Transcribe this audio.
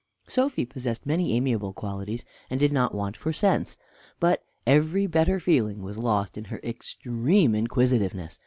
Sophy possessed many amiable qualities, and did not want for sense, but every better feeling was lost in her extreme inquisitiveness.